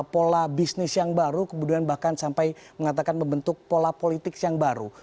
pola bisnis yang baru kemudian bahkan sampai mengatakan membentuk pola politik yang baru